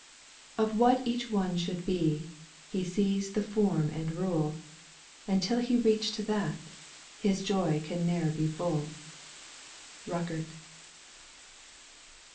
"Of what each one should be, he sees the form and rule, And till he reach to that, his joy can ne'er be full." RUCKERT.